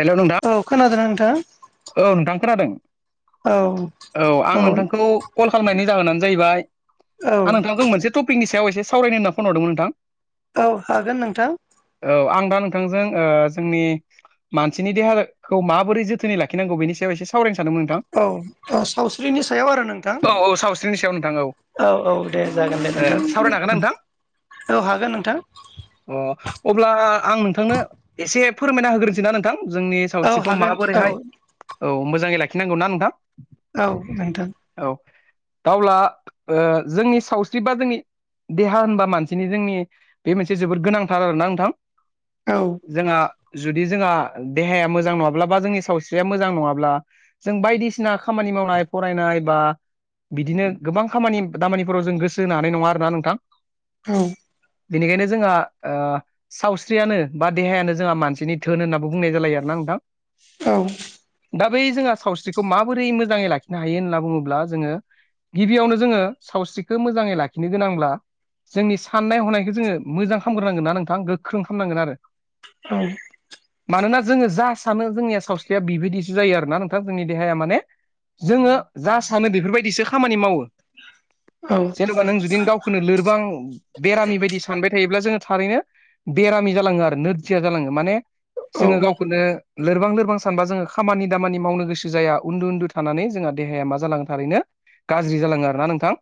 हेल' नोंथां औ खोनादोंना नोंथां? औ नोंथां खोनादों औ औ आं नोंथांखौ कल खालामनायनि जाहोनानो जाहैबाय औ आं नोंथांजों मोनसे टपिकनि सायाव एसे सावरायनो होनना फन हरदोंमोन नोंथां? औ हागोन नोंथां औ आं दा नोंथांजों जोंनि मानसिनि देहाखौ माबोरै जोथोनै लाखि गिनांगौनिायाव एसे [unintelligible] सावरायनो सादोंमोन? औ सावस्रिनि सायाव आरो नोंथां औ औ सावस्रिनि सायाव नोंथां औ औ औ दे जागोन दे ओ नोंथां सावरायनो हागोन ना नोंथां औ हागोन नोंथां अ अब्ला आं नोंथांनो एसे फोरमायना होग्रोनोसै नना नोंथां जोंनि औ सावस्रिखौ हागोन औ माबोरैहाय औ मोजाङै लाखिनांगौना नोंथां औ नोंथां। औ दा अब्ला ओ जोंनि सावस्रि बा जोंनि देहा होनबा मानसिनि जोंनि बे मोनसे जोबोद गोनांथार आरोना नोंथां। औ। जोंहा जुदि जोंहा देहाया मोजां नङाब्लाबा जोंनि सावस्रि या मोजां नङाब्ला जों बायदिसिना खामानि मावनाय फरायनाय बा बिदिनो गोबां खामानि दामानिफोराव जों गोसो होनो हानाय नङा आरोना नोंथां? औ। बेनिखायनो जोंहा ओ सावस्रियानो बा देहायानो जोंहा मानसिनि धोन होननाबो बुंनाय जालायो आरोना नोंथां। औ। दा बै जोंहा सावस्रिखौ माबोरै मोजाङै लाखिनो हायो होनना बुङोब्ला जोङो गिबियावनो जोङो सावस्रिखौ मोजाङै लाखिनो गोनांब्ला जोंनि साननाय हनायखौ जोङो मोजां खामग्रोनांगोन ना नोंथां गोख्रों खालामनांगोन आरो। औ। मानोना जोङो जा सानो जोंनिया सावस्रिया बिबायदिसो जायो आरोना नोंथां जोंनि देहाया माने जोङो जा सानो बेफोरबायदिसो खामानि मावो। औ। जेनेबा नों जुदि गावखौनो लोरबां बेरामि बायदि सानबाय थायोब्ला जोङो थारैनो बेरामि जालाङो आरो नोरजिया जालाङो माने औ जोङो गावखौनो लोरबां लोरबां सा सानबा जोङो खामानि दामानि मावनो गोसो जाया। उन्दु उन्दु थानानै जोंहा देहाया मा जालाङो थारैनो गाज्रि जालाङो आरो ना नोंथां।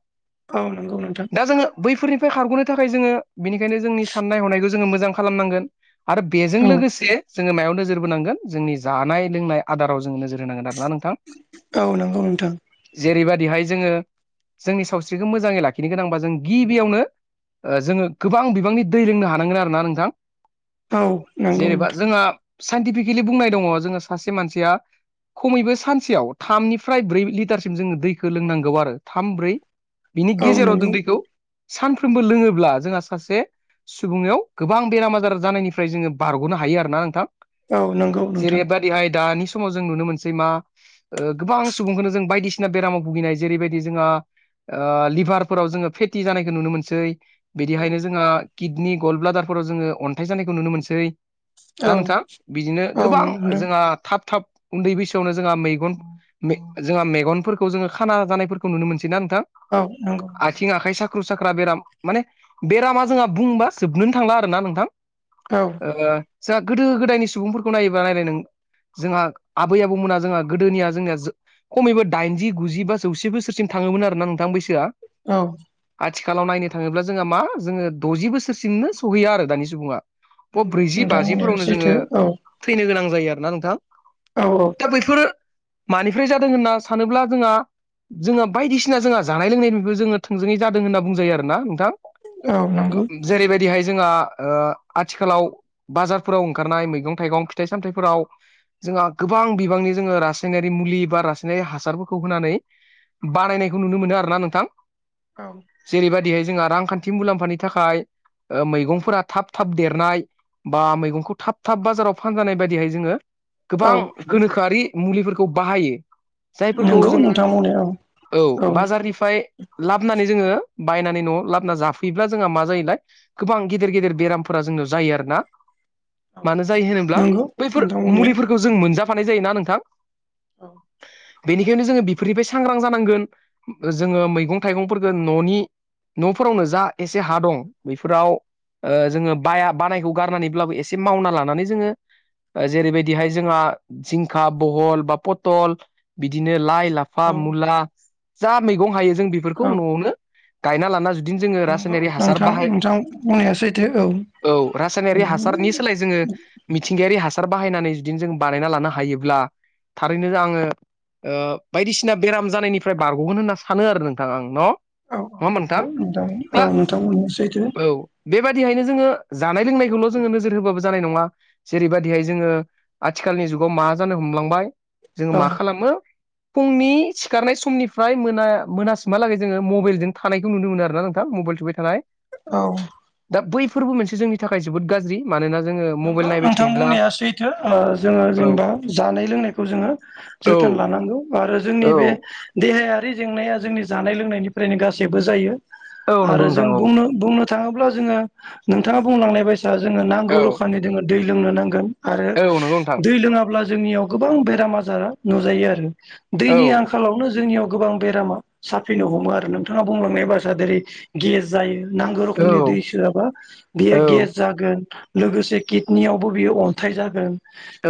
औ नंगौ नोंथां। दा जोङो बैफोरनिफ्राय खारग'नो थाखाय जोङो बेनिखायनो जोंनि साननाय हनायखौ जोङो मोजां खालामनांगोन। आरो बेजों औ लोगोसे जोङो मायाव नोजोर बोनांगोन जोंनि जानाय लोंनाय आदाराव जोङो नोजोर होनांगोन आरोना नोंथां। औ नंगौ नोंथां। जेरैबादिहाय जोङो जोंनि सावस्रिखौ मोजाङै लाखिनो गोनांबा जों गिबियावनो ओ जोङो गोबां बिबांनि दै लोंनो हानांगोन आरोना नोंथां। औ नंगौ जेनेबा नोंथां जोंहा साइन्टिफिकेलि बुंनाय दङ' जोङो सासे मानसिया खमैबो सानसेयाव थामनिफ्राय ब्रै लिटारसिम जोङो दैखो लोंनांगौ आरो थाम ब्रै। बिनि औ गेजेराव नंगौ जों दैखौ सानफ्रोमबो लोङोब्ला जोंहा सासे सुबुंनियाव गोबां बेराम आजार जानायनिफ्राय जोङो बारग'नो हायो आरोना नोंथां। औ नंगौ। नोंथां जेरैबादिहाय दानि समाव जों नुनो मोनसै मा ओ गोबां सुबुंखौनो जों बायदिसिना बेरामाव भुगिनाय जेरैबायदि जोङो ओ लिभारफोराव जोङो फेथि जानायखौ नुनो मोनसै। औ बिदिहायनो जोंहा किडनि गल्ड ब्लादारफोराव जोङो अन्थाइ जानायखौ नुनो मोनसै। ना औ नोंथां? बिदिनो औ गोबां नंगौ नोंथां जोंहा थाब थाब उन्दै बैसोआवनो जोंहा मैगन मे जोंहा मेगनफोरखौ जोङो खाना जानायफोरखौ नुनो मोनसै। ना नोंथां? औ नंगौ। आथिं आखाइ साख्रु साख्रा बेराम माने बेरामा जोंहा बुंबा जोबनोनो थांला आरोना नोंथां। औ। ओ जोंहा गोदो गोदायनि सुबुंफोरखौ नायोबा नायलाय नों जोंहा आबै आबौमोना जोंहा गोदोनिया जोंनिया जो खमैबो दाइनजि गुजि बा जौसे बोसोरसिम थाङोमोन आरो ना नोंथां बैसोआ। औ। आथिखालाव नायनो थाङोब्ला जोंहा मा जोङो द'जि बोसोरसिमनो सहैया आरो दानि सुबुङा। ब नंगौ ब्रैजि नोंथां बुंनाया बाजिफोरावनो जोङो सैथो औ थैनो गोनां जायो आरोना नोंथां। औ औ दा बेफोर मानिफ्राय जादों होनना सानोब्ला जोंहा जोंहा बायदिसिना जोंहा जानाय लोंनायनिफ्रायबो जोङो थोंजोङै जादों होनना बुंजायो आरो ना नोंथां औ नोंगौ जेरैबायदिहाय जोंहा आथिखालाव बाजारफोराव ओंखारनाय मैगं थाइगं फिथाइ सामथायफोराव जोंहा गोबां बिबांनि जोङो रासायनारि मुलि बा रासायनारि हासारफोरखौ होनानै बानायनायखौ नुनो मोनो आरो ना नोंथां औ जेरैबायदिहाय जोंहा रांखान्थि मुलाम्फानि थाखाय मैगंफोरा थाब थाब देरनाय बा मैगंखौ थाब थाब बाजाराव फानजानाय बायदिहाय जोङो औ गोबां गोनोखोआरि मुलिफोरखौ बाहायो जायफोरखौ नंगौ जोङो नोंथां बुंनाया औ बाजारनिफ्राय लाबोनानै जोङो बायनानै न'आव लाबोना जाफैयोब्ला जोंहा मा जायोलाय गोबां गेदेर गेदेर बेरामफोरा जोंनाव जायो आरो ना औ मानो जायो होनोब्ला नंगौ बैफोर नोंथां बुंनाया मुलिफोरखौ जों मोनजाफानाय जायोना नोंथां औ बेनिखायनो जोङो बेफोरनिफ्राय सांग्रां जानांगोन जोङो मैगं थाइगंफोरखौ न'नि न'फोरावनो जा एसे हा दं बैफोराव जोङो बाया बानायखौ गारनानैब्लाबो एसे मावना लानानै जोङो जेरैबायदिहाय जोंहा जिंखा बहल बा पथल बिदिनो लाइ लाफ फा मुला जा मैगं हायो जों बेफोरखौ औ न'आवनो गायना लाना जा नंगौ नोंथां नोंथां बुंनाया सैथो औ औ रासायनारि हासारनि सोलाय जोङो मिथिंगायारि हासार बाहायनानै जुदिनो जों बानायना लानो हायोब्ला थारैनो आङो बायदिसिना बेराम जानायनिफ्राय बारग'गोन होनना सानो आरो नोंथां आं न' औ औ नंगौ नोंथां औ नोंथां बुंनाया सैथो बेबायदिहायनो जोङो जानाय लोंनायखौल' जोङो नोजोर होबाबो जानाय नङा जेरैबाददिहाय जोङो आथिखालनि जुगाव मा जानो हमलांबाय जोङो औ मा खालामो फुंनि सिखारनाय समनिफ्राय मोना मोनासिमहालागै जोङो मबाइलजों थानायखौ नुनो मोनो आर ना नोंथां मबाइल थाय थानाय औ दा बैफोरबो मोनसे जोंनि थाखाय जोबोद गाज्रि मानोना जोङो मबाइल नायबाय थां थायोब्ला बुंनाया सैथो जोङो औ जेनेबा जानाय लोंनायखौ जोङो औ जोथोन लानांगौ आरो औ जोंनि बे देहायारि जेंनाया जोंनि जानाय लोंनायनिफ्रायनो गासैबो जायो औ नंगौ आरो जों नोंथां औ बुंनो बुंनो थाङोब्ला जोंङो नोंथांङा बुंलांनाय बायसा जोङो नांगौ औ रोखोमनि जोंङो दै लोंनो नांगोन आरो औ नंगौ नोंथां दै लोंङाब्ला जोंनियाव गोबां बेराम आजारा नुजायो आरो औ दैनि आं खालावनो जोंनियाव गोबां बेरामा साफैनो हमो आरो नोंथांङा बुंलांनाय बायसा जेरै गेस जायो नांगौ औ रोखोमनि दै सोआबा बेयो औ गेस जागोन लोगोसे जे किडनियावबो बियो अन्थाइ जागोन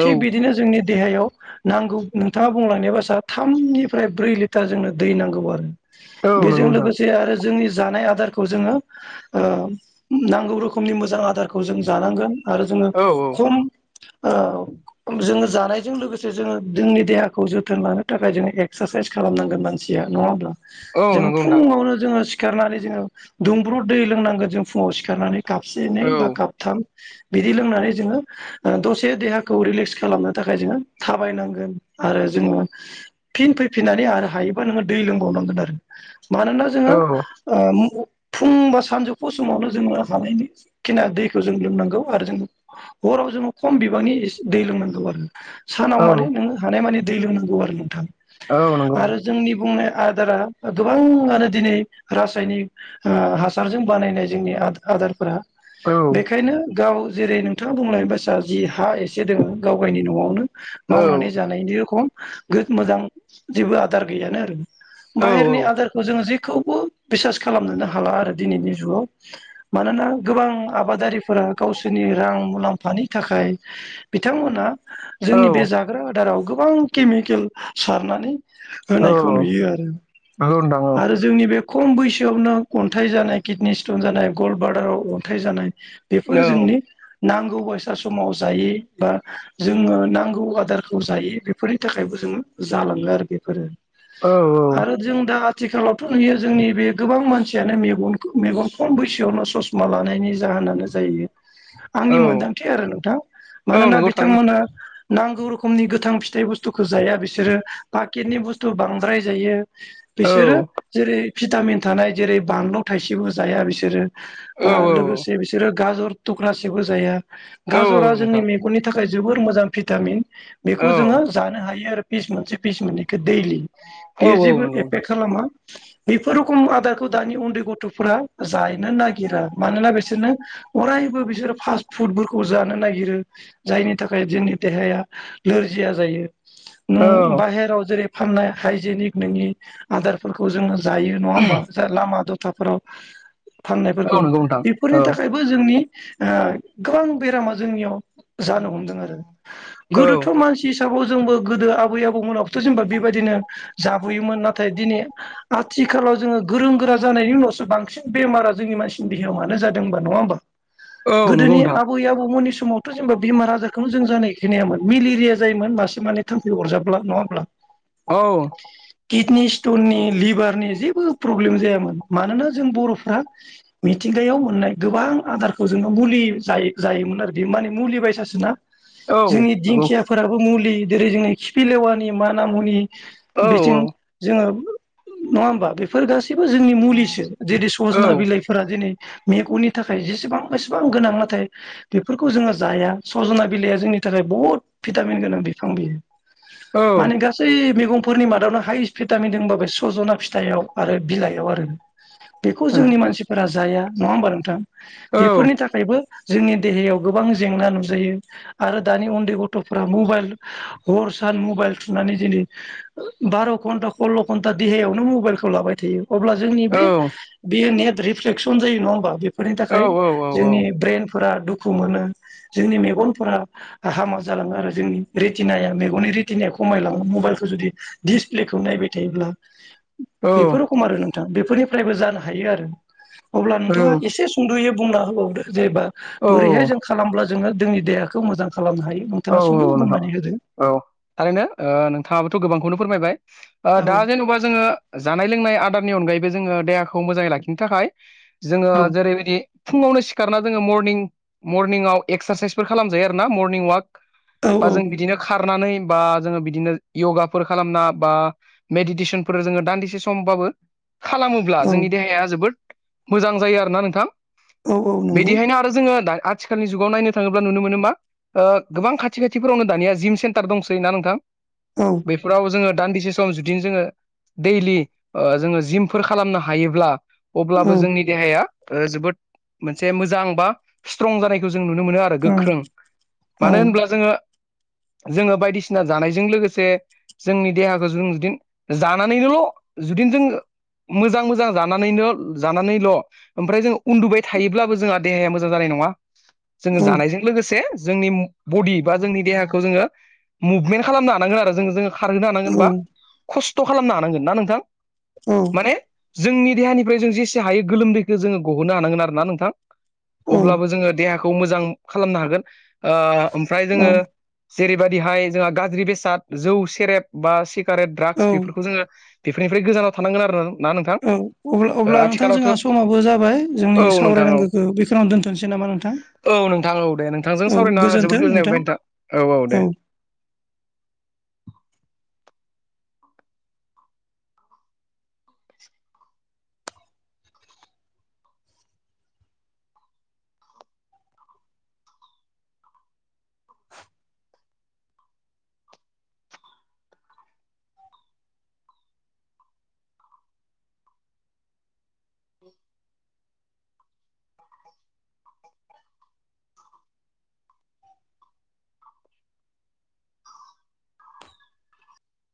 थिग बिदिनो जोंनि देहायाव नांगौ नोंथाङा बुंलांनाय बा स थामनिफ्राय ब्रै लिटार जोंनो दै नांगौ आरो औ नंगौ बेजों नोंथां लोगोसे आरो जोंनि जानाय आदारखौ खौ जोङो नांगौ रोखोमनि मोजां आदारखौ जों जानांगोन आरो जोङो औ औ खम जोङो जानायजों लोगोसे जोङो जोंनि देहाखौ जोथोन लानो थाखाय जोङो एक्सारसाइस खालामनांगोन मानसिया नङा होमब्ला औ जोङो नंगौ नोंथां फुङावनो जोङो सिखारनानै जोङो दुंब्रुद दै लोंनांगोन जों फुङाव सिखारनानै कापसे एनै औ बा काबथाम बिदि लोंनानै जोङो दसे देहाखौ रिलेक्स खालामनो थाखाय जोङो थाबायनांगोन आरो जोङो फिन फैफिननानै आरो हायोबा नोङो दै लोंबावनांगोन आरो मानोना जोङो ओ फुं बा सानजौफु समावनो जोङो हानायनि खिना दैखौ जों लोंनांगौ। आरो जों हराव जोङो खम बिबांनि दै लोंनांगौ आरो सानाव औ माने औ नोङो हानाय मानि दै लोंनांगौ आरो नोंथां औ नंगौ नोंथां। आरो जोंनि बुंनाय दा गोबाङानो दिनै रासायनिक ओ हासारजों बानायनाय जोंनि आदा-आदारफोरा औ बेखायनो गाव जेरै नोंथाङा बुंलानाय बायसा जि हा एसे से दोङो गाव गायनि न'आवनो औ मावनानै जानायनि रखम मोजां जेबो आदार गैयानो आरो औ बाहेरनि आदार थ जों जेखौबो बिसास खालामनोनो हाला आरो दिनैनि जुगाव मानोना गोबां आबादारिफोरा गावसोनि रां मुलाम्फानि थाखाय बिथांमोना औ जोंनि बे जा जाग्रा आदाराव गोबां केमिकेल सारनानै औ होनायखौ नुयो आरो औ नंगौ नोंथां आरो जोंनि बे खम बैसोआवनो अन्थाइ जानाय किडनि स्टन जानाय गल्ड बार्डाराव अन्थाइ जानाय बे औ फोर जोंनि नांगौ बायसा समाव जायो बा जोङो नांगौ आदारखौ जायो बेफोरनि थाखायबो जों जालांङो आरो बेफोरो औ आरो जों दा आथिखालावथ' नुयो जोंनि बे गोबां मानसि जानो मेग-मेगन खम बैसोआवनो ससमा लानायनि जाहोनानो जायो औ आंनि मोनदांथि आरो नोंथां औ मानोना नंगौ थारैनो बिथांमोना नांगौ रोखोमनि गोथां फिथाइ बुस्थुखो जाया बिसोरो पाकेटनि बुस्थु बांद्राय जायो। औ बिसोरो जेरै भिटामिन थानाय जेरै बानलु थाइसेबो जाया बिसोरो बा औ औ लोगोसे बिसोरो गाजर टुक्रासेबो जाया औ गाजरा औ जोंनि नोंथां मेगननि नि थाखाय जोबोर मोजां भिटामिन औ बेखौ जोङो जानो हायो आरो पिस मोनसे पिस मोननैखो दैलि। औ बेयो औ जेबो नंगौ नोंथां एफेक्ट खालामा बेफोर रखम आदारखौ दानि उन्दै गथ'फ्रा जायानो नागिरा मानोना बिसोरनो अरायबो बिसोरो फास्ट फुडफोरखौ जानो नागिरो। जायनि थाखाय जोंनि देहाया नोरजिया जायो। औ नों बाहेराव जेरै फाननाय हाइजेनिक नोंनि आदारफोरखौ जोंङो जायो नंङा होमबा लामा दथाफोराव फाननायफोरखौ औ नंगौ नोंथां बेफोरनि औ थाखायबो जोंनि ओ गोबां बेरामा जोंनियाव जानो हमदों आरो औ गोदोथ' मानसि हिसाबाव जोंबो गोदो आबै आबौमोनाबोथ' जेनेबा बेबायदिनो जाबोयोमोन नाथाय दिनै आथिखालाव जोंङो गोरों गोरा जानायनि उनावसो बांसिन बेमारा जोंनि मानसिनि देहायाव मानो जादों। नङा ओमबा औ नंगौ गोदोनि नोंथां आबै आबौमोननि समाव जेनेबा बेमार आजारखौनो जों जानाय खोनायामोन मेलेरिया जायोमोन मासे मानै थामफै अरजाब्ला नङा होमब्ला? औ किडनि स्टननि लिभारनि जेबो प्रब्लेम जायामोन मानोना जों बर'फ्रा मिथिंगायाव मोननाय गोबां आदारखौ जोंङो मुलि जायो-जायोमोन आरो बे माने मुलि बायसासोना। औ जोंनि नंगौ दिंखियाफोराबो मुलि जेरै जोंनि खिफिलेवानि माना मुनि औ बिथिं जोंङो नंङा ओमबा बे बेफोर गासैबो जोंनि मुलिसो जेरै औ सजना बिलाइफोरा दिनै मेगननि नि थाखाय जेसेबां बेसेबां गोनां नाथाय बेफोरखौ जोंङो जाया सजना बिलाइआ जोंनि थाखाय बहुत भिटामिन गोनां बिफां बियो औ माने गासै मैगं फोरनि मादावनो हाइस भिटामिन दोंबा सजना फिथाइआव आरो बिलाइआव आरो। बेखौ खोना जोंनि मानसिफोरा जाया नंङा ओमबा नोंथां औ बेफोरनि थाखायबो जोंनि देहायाव गोबां जेंना नुजायो आरो दानि उन्दै गथ'फोरा मबाइल हर सान मबाइल थुनानै दिनै बार' घन्टा सल्ल' घन्टा देहायावनो मबाइलखौ लाबाय थायो अब्ला जोंनि औ बे बेयो नेट रिफ्लेकसन जायो नङा होमबा बे फोरनि औ थाखाय औ जोंनि ब्रेनफोरा दुखु मोनो। जोंनि मेगनफोरा हामा जालाङो आरो जोंनि रेतनाया मेगननि रेतनाया खमायलाङो मबाइलखौ जुदि दिसप्लेखौ नायबाय थायोब्ला औ बेफोर रखम आरो नोंथाङा बेफोरनिफ्रायबो जानो हायो आरो अब्ला नोंथाङा एसे सुंद'यै बुंना होबावदो जेनेबा औ बोरैहाय जों खालामब्ला जोंङो जोंनि देहाखौ मोजां खालामनो हायो औ नोंथाङा सुंद' औ नों बुंनानै होदो। औ थारैनो। नोंथाङाबोथ' गोबांखौनो फोरमायबाय। औ दा जेन'बा जोङो जानाय लोंनाय आदारनि अनगायैबो जोङो देहाखौ मोजाङै लाखिनो थाखाय जोङो औ जेरैबायदि फुङावनो सिखारना जोङो मरनिं मरनिंआव एक्सारसाइसफोर खालामजायो आरोना मरनिं वाक औ बा जों बिदिनो खारनानै बा जोङो बिदिनो य'गाफोर खालामना बा मेडिटेसनफोर जोङो दान्दिसे समबाबो खालामोब्ला औ जोंनि देहाया जोबोद मोजां जायो आरोना नोंथां। औ औ नंगौ बिदिहायनो आरो जोङो आथिखालनि जुगाव नायनो थाङोब्ला नुनो मोनो मा गोबां खाथि खाथिफोरावनो दानिया जिम सेन्टार दंसै ना नोंथां औ बेफोराव जोङो दान्दिसे सम जुदिनो जोङो दैलि जोङो जिमफोर खालामनो हायोब्ला अब्लाबो औ जोंनि देहाया जोबोद मोनसे मोजां बा स्ट्रं जानायखौ जों नुनो मोनो आरो उम गोख्रों औ मानो होनब्ला जोङो, जोङो बायदिसिना जानायजों लोगोसे जोंनि देहाखौ जों जुदिनो जानानैनोल' जुदिनो जों मोजां मोजां जानानैनो जानानैल' ओमफ्राय जों उन्दुबाय थायोब्लाबो जोंहा देहाया मोजां जानाय नङा। जोङो औ जानायजों लोगोसे जोंनि बडि बा जोंनि देहाखौ जोङो मुभमेन्ट खालामनो हानांगोन आरो जों जोङो खारहोनो औ हानांगोनबा खस्थ' खालामनो हानांगोन ना नोंथां औ माने जोंनि देहानिफ्राय जों जेसे हायो गोलोमदैखौ जोङो गहोननो हानांगोन आरोना नोंथां औ अब्लाबो जोङो देहाखौ मोजां खालामनो हागोन ओ आमफ्राय औ जोङो जेरैबायदिहाय जोंहा गाज्रि बेसाद जौ सेरेब बा सिगारेट द्राग्स बेफोरखौ जोङो बेफोरनिफ्राय गोजानाव थानांगोन आरो ना नोंथां औ अब्ला अब्ला नोंथां आथिखालावथ' जोंहा समाबो जाबाय औ जोंनि नोंथां औ सावरायनांगौखौ बेखिनियावनो दोनथ'नोसै नामा नोंथां? औ नोंथां औ दे। नोंथांजों औ सावरायना गोजोन्थों जोबोद गोजोननाय नोंथां मोनबाय नोंथां औ औ दे